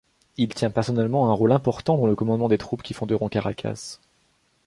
Il tient personnellement un rôle important dans le commandement des troupes qui fonderont Caracas.